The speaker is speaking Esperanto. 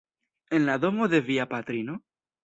En la domo de via patrino?